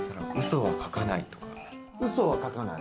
うそは書かない。